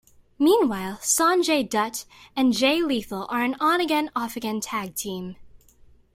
Meanwhile, Sonjay Dutt and Jay Lethal are an on-again-off-again tag-team.